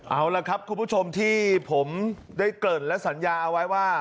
เอาล่ะครับคุณผู้ชมที่ผมได้เกริ่นและสัญญาเอาไว้ว่า